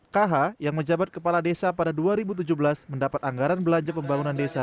kh yang menjabat kepala desa pada dua ribu tujuh belas mendapat anggaran belanja pembangunan desa